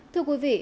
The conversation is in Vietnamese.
thưa quý vị